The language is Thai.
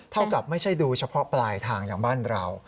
กับไม่ใช่ดูเฉพาะปลายทางอย่างบ้านเรา